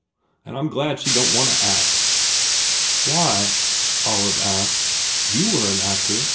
And I m glad she don t want to act." "Why?" Olive asked, "You were an actor.